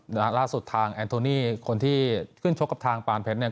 ล่าสุดทางแอนโทนี่คนที่ขึ้นชกกับทางปานเพชรเนี่ย